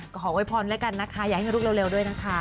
ขอไว้พ้นแล้วกันนะคะอย่าให้มันรุกเร็วด้วยนะคะ